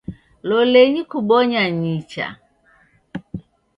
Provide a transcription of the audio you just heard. Lolenyi kubonya nicha